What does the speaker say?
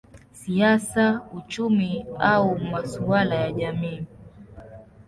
siasa, uchumi au masuala ya jamii.